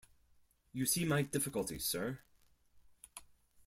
You see my difficulty, sir?